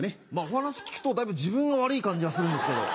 お話聞くと自分が悪い感じがするんですけど。